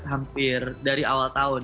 hampir dari awal tahun